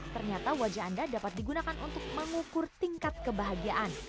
ternyata wajah anda dapat digunakan untuk mengukur tingkat kebahagiaan